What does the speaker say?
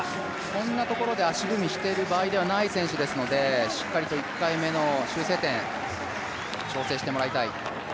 こんなところで足踏みをしている場合ではない選手ですので、しっかりと１回目の修正点調整してもらいたい。